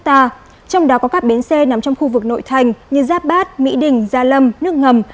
trong đó có các bến xe nằm trong khu vực nội thành như giáp bát mỹ đình gia lâm nước ngầm